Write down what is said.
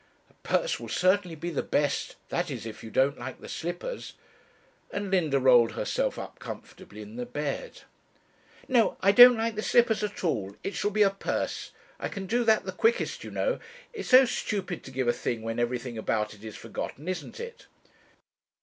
'A purse will certainly be the best; that is, if you don't like the slippers,' and Linda rolled herself up comfortably in the bed. 'No I don't like the slippers at all. It shall be a purse. I can do that the quickest, you know. It's so stupid to give a thing when everything about it is forgotten, isn't it?'